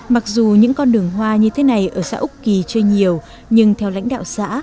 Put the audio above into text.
mặc dù những con đường hoa như thế này ở xã úc kỳ chơi nhiều nhưng theo lãnh đạo xã